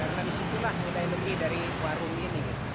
nah disitulah kita lebih dari warung ini